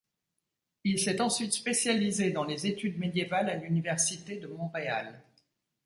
Il s'est ensuite spécialisé dans les études médiévales à l’université de Montréal.